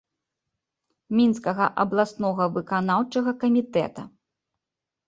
Мінскага абласнога выканаўчага камітэта.